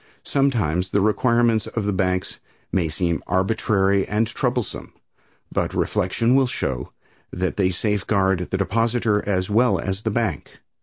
Sometimes the requirements of the banks may seem arbitrary and troublesome, but reflection will show that they safeguard the depositor as well as the bank.